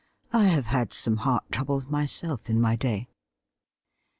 I have had some heart troubles myself in my day.'